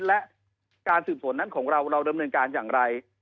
และการสืบสวนนั้นของเราเราดำเนินการอย่างไร